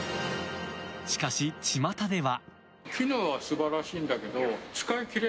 しかし、ちまたでは。